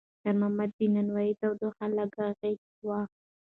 خیر محمد ته د نانوایۍ تودوخه لکه غېږ وه.